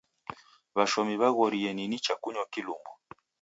W'ashomi w'aghorie ni nicha kunywa kilumbwa.